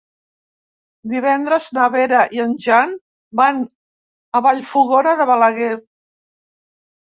Divendres na Vera i en Jan van a Vallfogona de Balaguer.